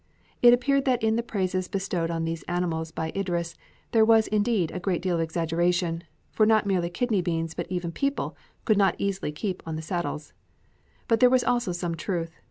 It appeared that in the praises bestowed on those animals by Idris there was indeed a great deal of exaggeration, for not merely kidney beans but even people could not easily keep on the saddles; but there was also some truth.